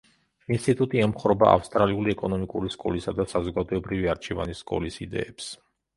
ინსტიტუტი ემხრობა ავსტრიული ეკონომიკური სკოლისა და საზოგადოებრივი არჩევანის სკოლის იდეებს.